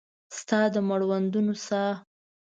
ستا د مړوندونو ساه